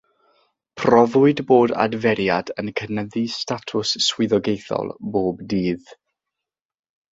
Profwyd bod adferiad yn cynyddu statws swyddogaethol bob dydd.